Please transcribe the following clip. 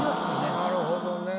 なるほどね。